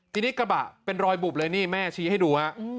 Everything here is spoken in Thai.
ทีนี้กระบะเป็นรอยบุบเลยนี่แม่ชี้ให้ดูฮะ